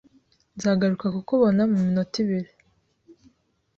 Nzagaruka kukubona muminota ibiri.